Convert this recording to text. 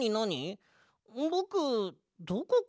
ぼくどこかへん？